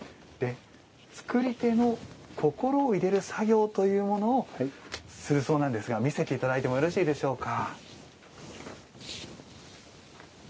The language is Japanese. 作り手の心を入れる作業というものを見せていただいてもよろしいでしょうか。